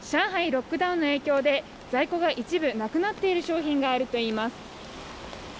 ロックダウンの影響で在庫が一部なくなっている商品があるといいます。